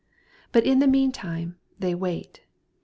But in the mean time, they wait.